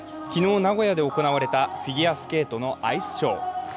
昨日、名古屋で行われたフィギュアスケートのアイスショー。